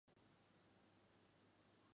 孝友之名罕有。